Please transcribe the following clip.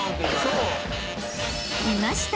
［いました！